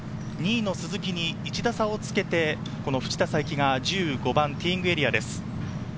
２位の鈴木に１打差をつけて、藤田さいきが１５番、ティーイングエリアです。